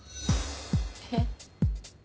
えっ？